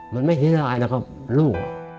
มันไม่ทิ้ลายนะครับลูก